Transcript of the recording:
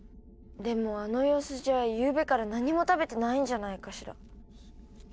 でもあの様子じゃゆうべから何も食べてないんじゃないかしら。